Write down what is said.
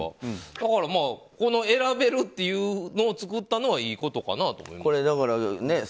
だから、この選べるっていうのを作ったのはいいことかなと思います。